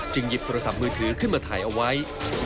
หยิบโทรศัพท์มือถือขึ้นมาถ่ายเอาไว้